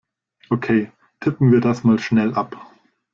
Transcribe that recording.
Okay, tippen wir das mal schnell ab!